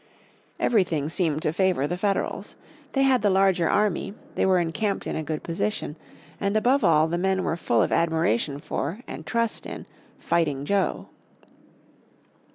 Everything seemed to favour the Federals. They had the larger army, they were encamped in a good position, and above all the men were full of admiration for, and trust in, 'Fighting Joe."